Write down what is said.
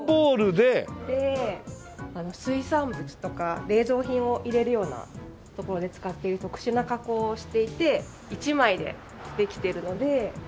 で水産物とか冷蔵品を入れるようなところで使っている特殊な加工をしていて１枚でできてるので。